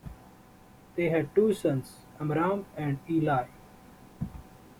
They had two sons: Amram and Eli.